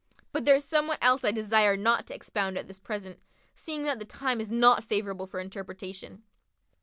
But there is somewhat else I desire not to expound at this present, seeing that the time is not favourable for interpretation."